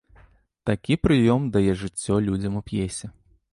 Такі прыём дае жыццё людзям у п'есе.